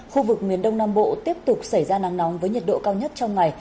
khu vực miền đông nam bộ tiếp tục xảy ra nắng nóng với nhiệt độ cao nhất trong ngày